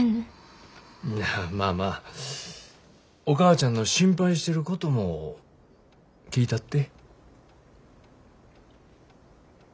いやまあまあお母ちゃんの心配してることも聞いたって。